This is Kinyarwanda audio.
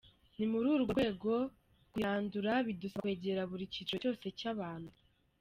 Ni muri urwo rwego kuyirandura, bidusaba kwegera buri cyiciro cyose cy’abantu.